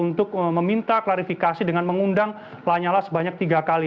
untuk meminta klarifikasi dengan mengundang lanyala sebanyak tiga kali